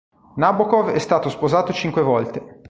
Nabokov è stato sposato cinque volte.